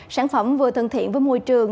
sản phẩm vừa thân thiện với môi trường